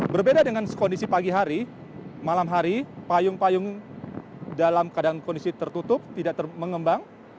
berbeda dengan kondisi pagi hari malam hari payung payung dalam keadaan kondisi tertutup tidak mengembang